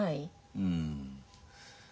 うん。